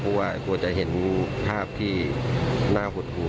เพราะว่ากลัวจะเห็นภาพที่น่าหดหู